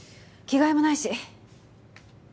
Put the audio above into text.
着替えもないし。